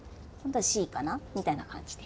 Ｃかなみたいな感じで。